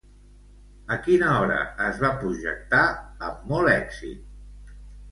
A quina hora es va projectar amb molt èxit?